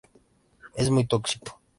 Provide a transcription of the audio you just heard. Es muy tóxico.